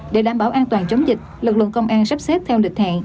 để đảm bảo an toàn chống dịch lực lượng công an sắp xếp theo lịch hẹn